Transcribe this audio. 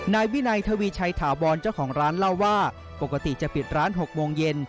นายวินัยทวีชัยถาวรเจ้าของร้านเล่าว่าปกติจะปิดร้าน๖โมงเย็น